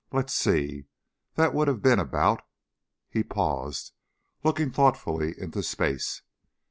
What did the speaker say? Let's see, that would have been about...." He paused, looking thoughtfully into space.